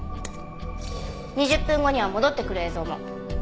２０分後には戻ってくる映像も。